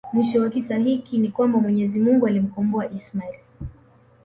mwisho wa kisa hiki ni kwamba MwenyeziMungu alimkomboa Ismail